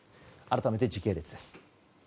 改めて、時系列です。